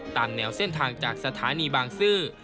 ตามแนวเส้นทางจากสถานีบางซื่อ